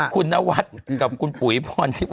คุณนวัดกับคุณปุ๋ยพรทิพย์